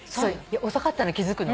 遅かったの気付くのが。